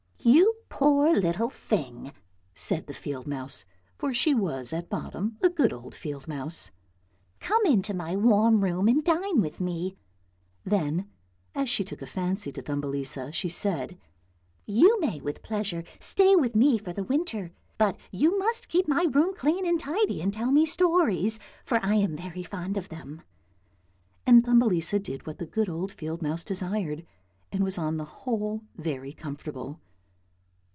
;* You poor little thing," said the field mouse, for she was at bottom a good old field mouse. " Come into my warm room and dine with me." Then, as she took a fancy to Thumbelisa, she said, " you may with pleasure stay with me for the winter, but you must keep my room clean and tidy and tell me stories, for I am very fond of them," and Thumbelisa did what the good old field mouse desired and was on the whole very comfortable.